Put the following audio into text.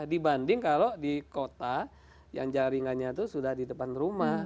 dibanding kalau di kota yang jaringannya itu sudah di depan rumah